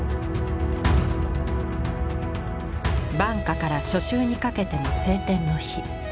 晩夏から初秋にかけての晴天の日。